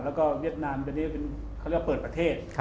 แล้วก็เวียดนามเปิดประเทศ